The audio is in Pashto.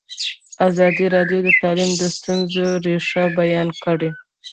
ازادي راډیو د تعلیم د ستونزو رېښه بیان کړې.